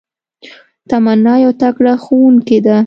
تمنا يو تکړه ښوونکي ده